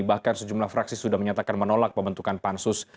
bahkan sejumlah fraksi sudah menyatakan menolak pembentukan pansus